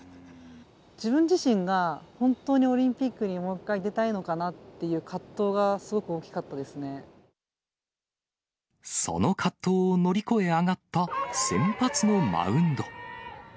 自分自身が本当にオリンピックにもう一回出たいのかなっていう葛その葛藤を乗り越え、上がった先発のマウンド。